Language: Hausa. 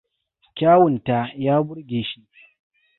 Kyawunta ya burge shi.